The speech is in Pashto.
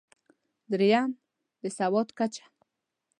درېیم: د سود کچه.